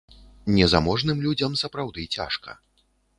Незаможным людзям сапраўды цяжка.